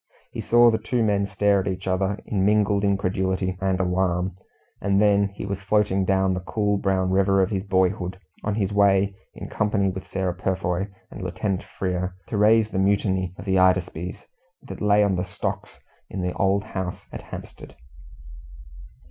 He saw the two men stare at each other, in mingled incredulity and alarm, and then he was floating down the cool brown river of his boyhood, on his way in company with Sarah Purfoy and Lieutenant Frere to raise the mutiny of the Hydaspes, that lay on the stocks in the old house at Hampstead.